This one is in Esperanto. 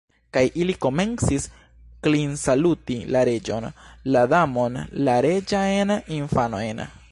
Kaj ili komencis klinsaluti la Reĝon, la Damon, la reĝajn infanojn.